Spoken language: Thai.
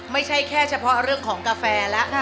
ไม่ใช่แค่เฉพาะเรื่องของกาแฟแล้ว